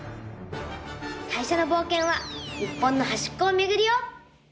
さいしょのぼうけんは日本のはしっこをめぐるよ！